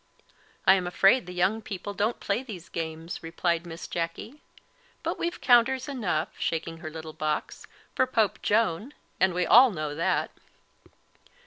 "I am afraid the young people don't play these games," replied Miss Jacky; "but we've counters enough," shaking her little box, "for Pope Joan, and we all know that."